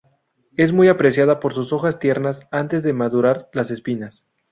Es muy apreciada por sus hojas tiernas, antes de madurar las espinas.